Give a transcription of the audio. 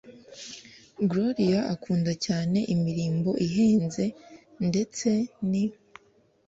Gloria akunda cyane imirimbo ihenze ndetse n